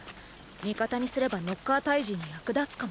味方にすればノッカー退治に役立つかも。